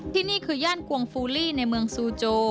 ที่นี่คือย่านกวงฟูลี่ในเมืองซูโจ